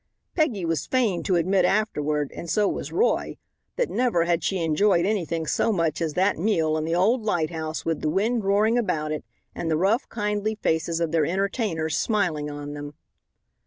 Peggy was fain to admit afterward, and so was Roy, that never had she enjoyed anything so much as that meal in the old lighthouse with the wind roaring about it and the rough, kindly faces of their entertainers smiling on them.